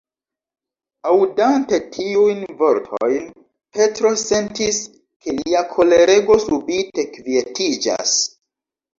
Aŭdante tiujn vortojn, Petro sentis, ke lia kolerego subite kvietiĝas.